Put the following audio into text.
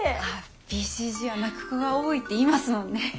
ＢＣＧは泣く子が多いって言いますもんね。